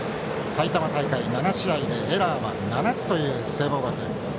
埼玉大会７試合でエラーは７つという聖望学園です。